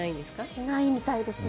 しないみたいですね。